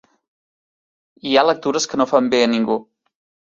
Hi ha lectures que no fan bé a ningú.